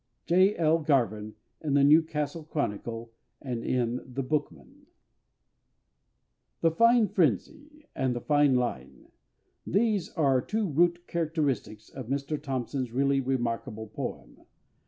J. L. GARVIN, in The Newcastle Chronicle and in The Bookman. The fine frenzy, and the fine line: these are two root characteristics of Mr THOMPSON'S really remarkable poem.